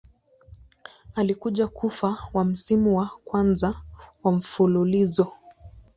Alikuja kufa wa msimu wa kwanza wa mfululizo.